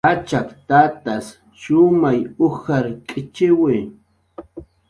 Achak tats shumay ujar k'ichiwi